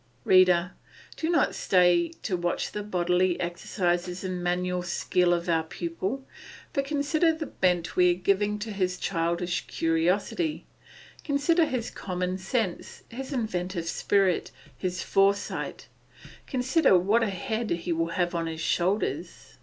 Reader, do not stay to watch the bodily exercises and manual skill of our pupil, but consider the bent we are giving to his childish curiosity; consider his common sense, his inventive spirit, his foresight; consider what a head he will have on his shoulders.